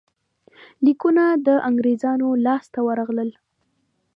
لیکونه د انګرېزانو لاسته ورغلل.